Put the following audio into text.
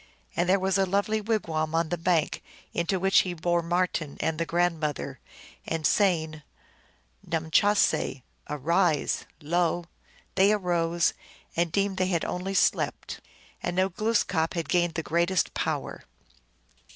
And there was a lonely wigwani on the bank, into which he bore Marten and the grandmother, and saying, " Numchahse ! arise !" lo, they arose, and deemed they had only slept. And now Glooskap had gained the greatest power.